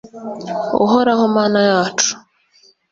uhoraho mana yacu